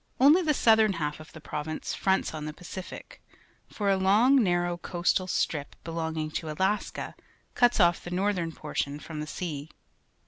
— Only the southern half of the province fionts on the Pacific, for a long, narrow coastal strip belonging to Alaska cuts off the northern portion from the sea.